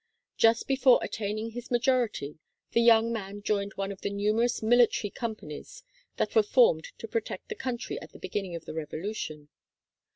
Just before attaining his majority, the young man joined one of the numerous military companies that were formed to protect the country at the beginning of the Revolution.